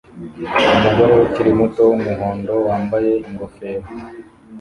Umugore ukiri muto wumuhondo wambaye ingofero